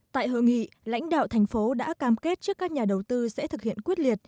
tại hội nghị lãnh đạo thành phố đã cam kết trước các nhà đầu tư sẽ thực hiện quyết liệt